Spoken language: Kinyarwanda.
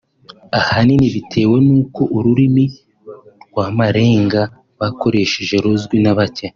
ahanini bitewe n’uko ururimi rw’amarenga bakoresha ruzwi na bake